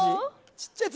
ちっちゃい「っ」